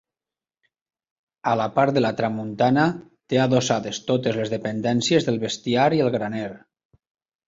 A la part de tramuntana té adossades totes les dependències del bestiar i el graner.